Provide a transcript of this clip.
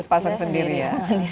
harus pasang sendiri ya